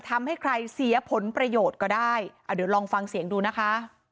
ทำให้ใครเสียผลประโยชน์ก็ได้อ่ะเดี๋ยวลองฟังเสียงดูนะคะ